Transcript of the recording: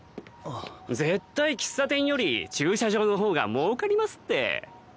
絶対喫茶店より駐車場の方がもうかりますって。